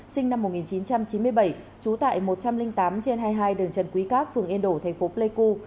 sinh năm một nghìn chín trăm chín mươi bảy trú tại một trăm linh tám trên hai mươi hai đường trần quý cáp phường yên đổ thành phố pleiku